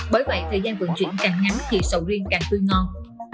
bởi vậy thời gian vận chuyển càng ngắn thì sầu riêng càng tươi ngon